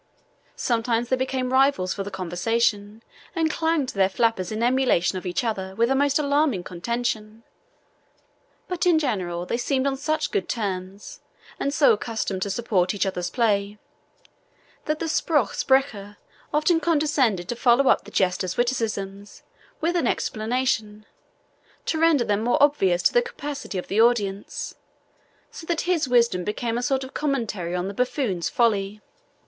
Sometimes they became rivals for the conversation, and clanged their flappers in emulation of each other with a most alarming contention; but, in general, they seemed on such good terms, and so accustomed to support each other's play, that the SPRUCH SPRECHER often condescended to follow up the jester's witticisms with an explanation, to render them more obvious to the capacity of the audience, so that his wisdom became a sort of commentary on the buffoon's folly.